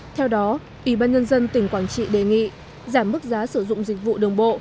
theo đó ủy ban nhân dân tỉnh quảng trị đề nghị giảm mức giá sử dụng dịch vụ đường bộ